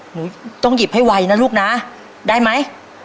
หนูต้องหยิบให้ไวนะลูกนะได้ไหม